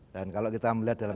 dan kalau kita melihat dalam